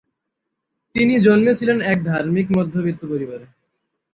তিনি জন্মেছিলেন এক ধার্মিক মধ্যবিত্ত পরিবারে।